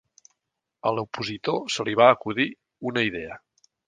A l'opositor se li va acudir una idea